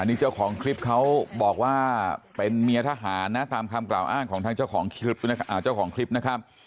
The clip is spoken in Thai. นี่เจ้าของคลิปเขาบอกว่าเป็นเมียทหารนะตามคำกล่าวอ้างของทางเจ้าของคลิปนะครับ